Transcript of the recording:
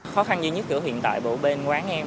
khó khăn duy nhất cửa hiện tại bộ bên quán em